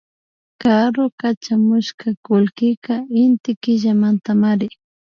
Karu kachamushka kullkika Inti killamantamari